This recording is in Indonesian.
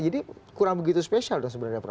jadi kurang begitu spesial sebenarnya